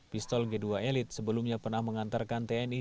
pistol j dua elite sebelumnya pernah mengantarkan tni